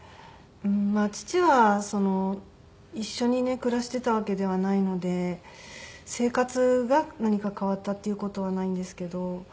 父は一緒にね暮らしていたわけではないので生活が何か変わったっていう事はないんですけど。